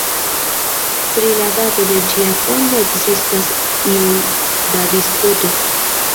Pri la dato de ĝia fondo ekzistas iom da disputo.